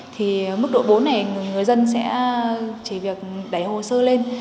thì mức độ bốn này người dân sẽ chỉ việc đẩy hồ sơ lên